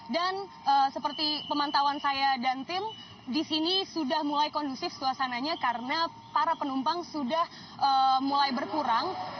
dan seperti pemantauan saya dan tim di sini sudah mulai kondusif suasananya karena para penumpang sudah mulai berkurang